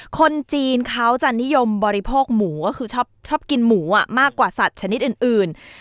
คนจีนเขาจะนิยมบริโภคหมูก็คือชอบกินหมูมากกว่าสัตว์ชนิดอื่น